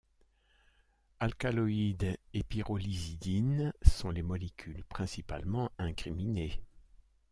Alcaloïdes et pyrrolizidine sont les molécules principalement incriminées.